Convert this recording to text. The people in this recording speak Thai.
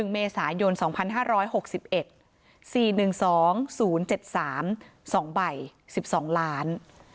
๑เมษายน๒๕๖๑๔๑๒๐๗๓๒ใบ๑๒ล้าน